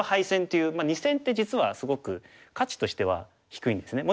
二線って実はすごく価値としては低いんですね。